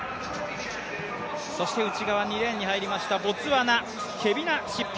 内側２レーンに入りましたボツワナ、ケビナシッピ。